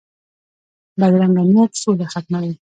بدرنګه نیت سوله ختموي